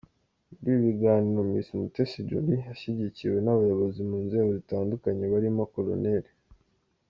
Muri ibi biganiro Miss Mutesi Jolly yashyigikiwe n’abayobozi mu nzego zitandukanye barimo Col.